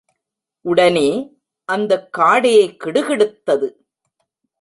உடனே அந்தக் காடே கிடுகிடுத்தது.